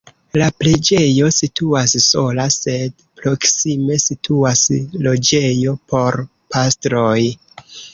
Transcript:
La preĝejo situas sola sed proksime situas loĝejo por pastroj.